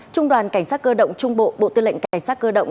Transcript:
trung đoàn cảnh sát cơ động trung bộ bộ tư lệnh cảnh sát cơ động